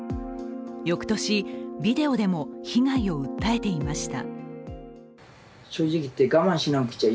翌年、ビデオでも被害を訴えていました。